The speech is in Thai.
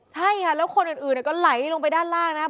ใช่ค่ะแล้วคนอื่นก็ไหลลงไปด้านล่างนะครับ